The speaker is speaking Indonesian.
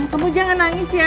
kamu jangan nangis ya